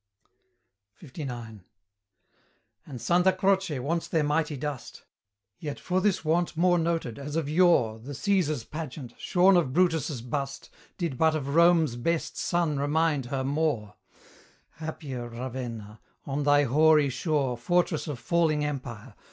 LIX. And Santa Croce wants their mighty dust; Yet for this want more noted, as of yore The Caesar's pageant, shorn of Brutus' bust, Did but of Rome's best son remind her more: Happier Ravenna! on thy hoary shore, Fortress of falling empire!